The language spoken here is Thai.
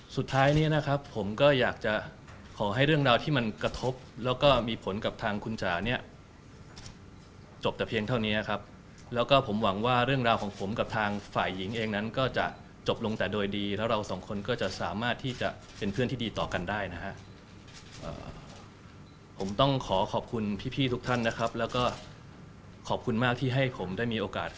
สุดท้ายเนี่ยนะครับผมก็อยากจะขอให้เรื่องราวที่มันกระทบแล้วก็มีผลกับทางคุณจ๋าเนี่ยจบแต่เพียงเท่านี้ครับแล้วก็ผมหวังว่าเรื่องราวของผมกับทางฝ่ายหญิงเองนั้นก็จะจบลงแต่โดยดีแล้วเราสองคนก็จะสามารถที่จะเป็นเพื่อนที่ดีต่อกันได้นะฮะผมต้องขอขอบคุณพี่ทุกท่านนะครับแล้วก็ขอบคุณมากที่ให้ผมได้มีโอกาส